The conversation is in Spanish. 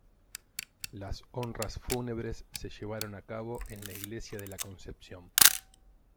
Las honras fúnebres se llevaron a cabo en la Iglesia de la Concepción.